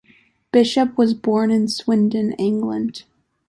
Bishop was born in Swindon, England.